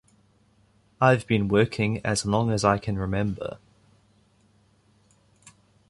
I've been working as long as I can remember.